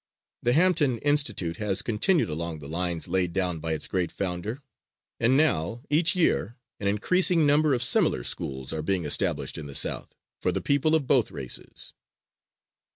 The Hampton Institute has continued along the lines laid down by its great founder, and now each year an increasing number of similar schools are being established in the South, for the people of both races.